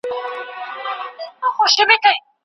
هغه مهال چې ښوونځي فعال وي، بې سوادي پراخېږي نه.